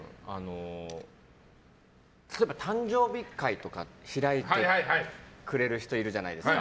例えば、誕生日会とか開いてくれる人いるじゃないですか。